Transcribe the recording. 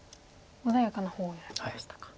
穏やかな方を選びましたか。